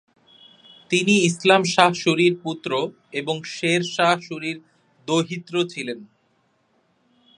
তিনি ইসলাম শাহ শুরির পুত্র এবং শের শাহ শুরির দৌহিত্র ছিলেন।